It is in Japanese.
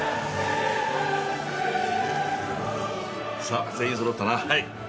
さあ全員揃ったな。